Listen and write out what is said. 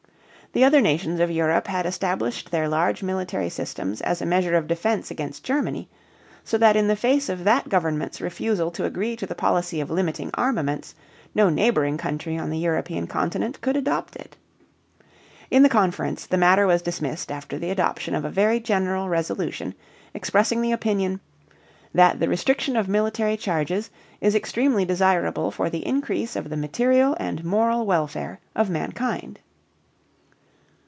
The other nations of Europe had established their large military systems as a measure of defense against Germany, so that in the face of that government's refusal to agree to the policy of limiting armaments, no neighboring country on the European continent could adopt it. In the conference, the matter was dismissed after the adoption of a very general resolution expressing the opinion "that the restriction of military charges ... is extremely desirable for the increase of the material and moral welfare of mankind."